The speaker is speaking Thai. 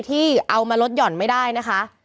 ที่เอามาลดหย่อนไม่ได้นะคะ